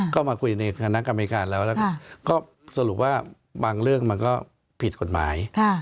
ก็มาคุยในคณะกรรมการแล้วแล้วก็สรุปว่าบางเรื่องมันก็ผิดกฎหมาย